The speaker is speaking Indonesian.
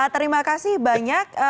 terima kasih banyak